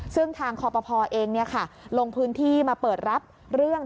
ซึ่งทางคอปภเองลงพื้นที่มาเปิดรับเรื่อง